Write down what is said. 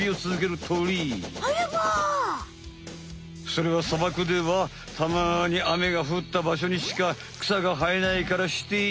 それはさばくではたまに雨が降ったばしょにしかくさがはえないからして。